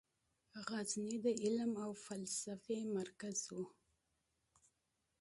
غزني د علم او فلسفې مرکز و.